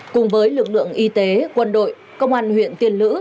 cùng với lực lượng y tế quân đội công an huyện tiên lữ